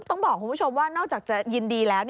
ต้องบอกคุณผู้ชมว่านอกจากจะยินดีแล้ว